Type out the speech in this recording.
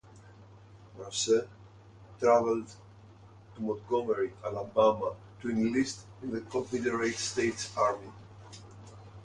Rosser traveled to Montgomery, Alabama, to enlist in the Confederate States Army.